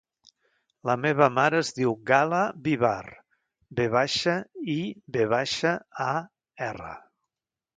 La meva mare es diu Gala Vivar: ve baixa, i, ve baixa, a, erra.